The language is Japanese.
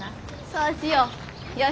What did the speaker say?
そうしよ。